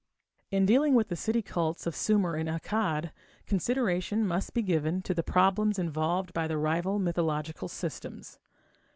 In dealing with the city cults of Sumer and Akkad, consideration must be given to the problems involved by the rival mythological systems.